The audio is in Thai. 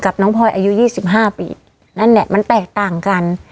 น้องพลอยอายุยี่สิบห้าปีนั่นแหละมันแตกต่างกัน